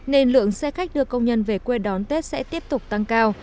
nên lượng xe khách đưa công nhân về quê đón tết sẽ tiếp tục tăng cao